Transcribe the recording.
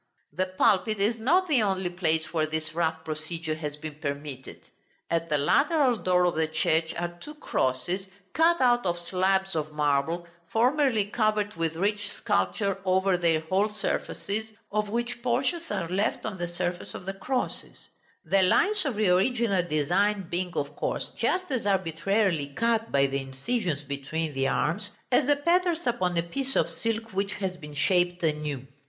The pulpit is not the only place where this rough procedure has been permitted: at the lateral door of the church are two crosses, cut out of slabs of marble, formerly covered with rich sculpture over their whole surfaces, of which portions are left on the surface of the crosses; the lines of the original design being, of course, just as arbitrarily cut by the incisions between the arms, as the patterns upon a piece of silk which has been shaped anew.